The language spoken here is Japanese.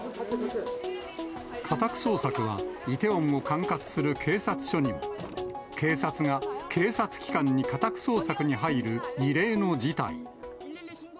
家宅捜索は、イテウォンを管轄する警察署にも。警察が警察機関に家宅捜索に入る異例の事態。